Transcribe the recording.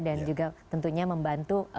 dan juga tentunya membantu